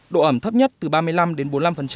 độ ẩm thấp nhất từ ba mươi năm đến bốn mươi năm